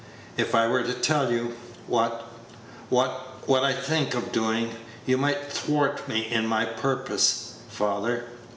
"If I were to tell you what what I think of doing, you might thwart me in my purpose. Father!